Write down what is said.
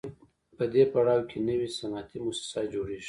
په دې پړاو کې نوي صنعتي موسسات جوړېږي